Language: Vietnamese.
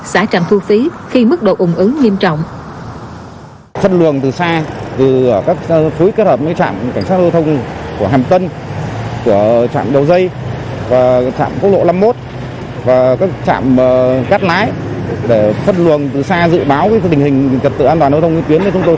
xả trạm thu phí khi mức độ ủng ứ nghiêm trọng